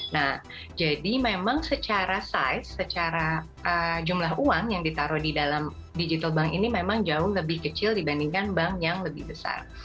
nah jadi memang secara size secara jumlah uang yang ditaruh di dalam digital bank ini memang jauh lebih kecil dibandingkan bank yang lebih besar